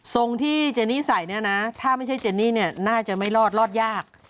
ทรงที่เจนี่ใส่เนี่ยนะถ้าไม่ใช่เจนี่เนี่ยน่าจะไม่รอดรอดยาก